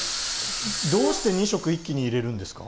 どうして２色一気に入れるんですか？